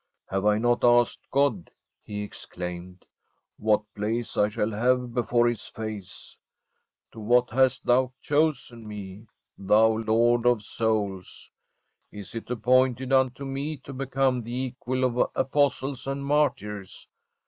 Have I not asked God/ he exclaimed, ' what place I shall have before His face ? To what hast Thou chosen me, Thou Lord of souls? Is it appointed unto me to become the equal of apostles and martyrs?